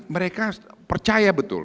mereka percaya begitu